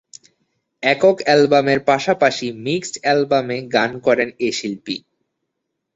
একক অ্যালবামের পাশাপাশি মিক্সড অ্যালবামে গান করেন এ শিল্পী।